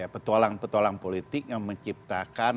petualang petualang politik yang menciptakan